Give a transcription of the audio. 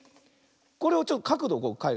これをちょっとかくどかえる。